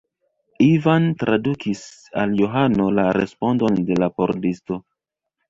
Ivan tradukis al Johano la respondon de la pordisto.